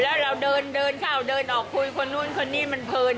แล้วเราเดินเดินเข้าเดินออกคุยคนนู้นคนนี้มันเพลิน